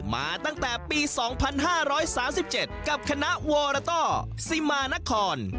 มาตั้งแต่ปี๒๕๓๗กับคณะวรต้อสิมานคร